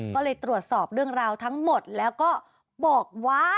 ก็เลยตรวจสอบเรื่องราวทั้งหมดแล้วก็บอกว่า